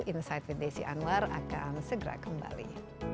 insight with desi anwar akan segera kembali